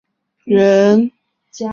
来瑱永寿人。